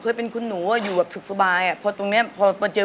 แล้วตอนนั้นรู้สึกว่ามันอึดอัดไหม